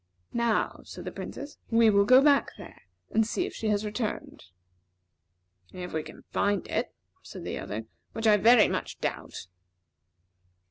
"Now," said the Princess, "we will go back there, and see if she has returned." "If we can find it," said the other, "which I very much doubt."